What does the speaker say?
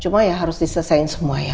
cuma ya harus diselesaikan semua ya